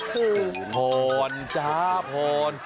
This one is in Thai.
คือพอนจ๊ะพอน